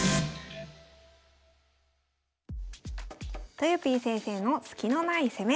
とよぴー先生のスキのない攻め。